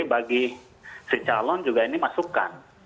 bagi si calon juga ini masukan